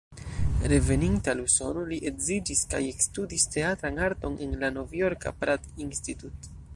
Reveninte al Usono li edziĝis kaj ekstudis teatran arton en la Novjorka "Pratt Institute".